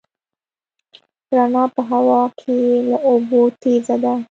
رڼا په هوا کې له اوبو تېزه ده.